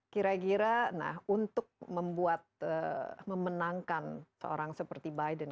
kira kira nah untuk membuat memenangkan seorang seperti biden